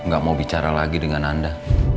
gak mau bicara lagi dengan anda